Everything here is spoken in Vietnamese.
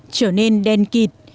trở nên đen kịt